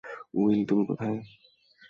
Will, তুমি কোথায়?